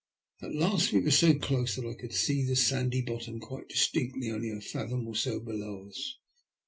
At last we were so close that I could see the sandy bottom quite distinctly only a fathom or so below us.